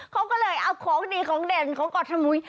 เขาก็เลยเอาของดีของเด่นของเกาะสมุย